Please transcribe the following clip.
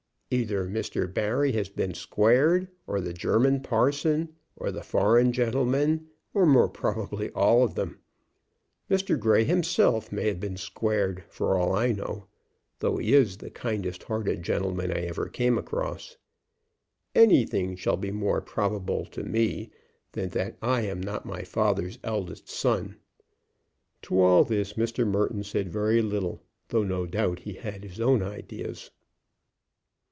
Either Mr. Barry has been squared, or the German parson, or the foreign gentleman, or more probably all of them. Mr. Grey himself may have been squared, for all I know, though he is the kindest hearted gentleman I ever came across. Anything shall be more probable to me than that I am not my father's eldest son." To all this Mr. Merton said very little, though no doubt he had his own ideas.